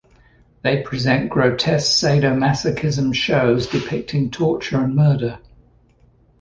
They present grotesque sadomasochism shows depicting torture and murder.